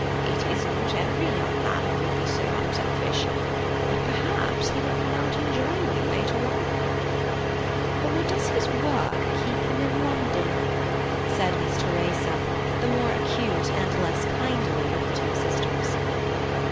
"It is not every young man who would be so unselfish. But perhaps he will come out and join you later on." "Or does his work keep him in London?" said Miss Teresa, the more acute and less kindly of the two sisters.